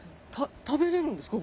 食べれるんですか？